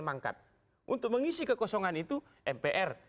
mangkat untuk mengisi kekosongan itu mpr